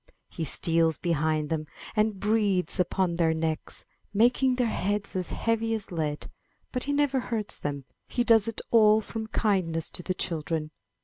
He steals behind them and breathes upon their necks, making their heads as heavy as lead; but he never hurts them; he does it all from kindness to the children.